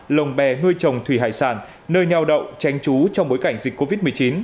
lồng bè nuôi trồng thủy hải sản nơi nheo đậu tranh trú trong bối cảnh dịch covid một mươi chín